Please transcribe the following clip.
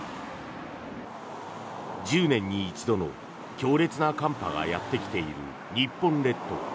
１０年に一度の強烈な寒波がやってきている日本列島。